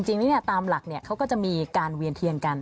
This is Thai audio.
จริงนี่เนี่ยตามหลักเนี่ยเขาก็จะมีการเวียนเทียนกัน